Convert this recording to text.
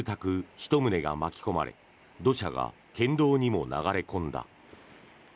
１棟が巻き込まれ土砂が県道にも流れ込んだ。